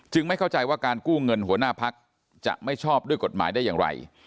ไม่เข้าใจว่าการกู้เงินหัวหน้าพักจะไม่ชอบด้วยกฎหมายได้อย่างไร